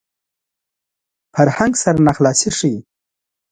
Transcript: فرهنګ سرناخلاصي ښيي